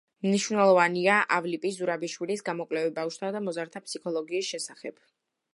მნიშვნელოვანია ავლიპი ზურაბაშვილის გამოკვლევები ბავშვთა და მოზარდთა ფსიქოლოგიის შესახებ.